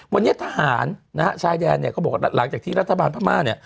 วันนี้ทหารชายแดนก็บอกว่าหลังจากที่รัฐบาลพระม่า